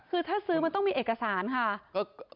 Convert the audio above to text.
คือถ้าซื้อมันต้องมีเอกสารค่ะอันนี้ไม่รู้ว่าจ่ายเงินใคร